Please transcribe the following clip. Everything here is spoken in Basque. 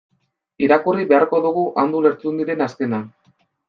Irakurri beharko dugu Andu Lertxundiren azkena.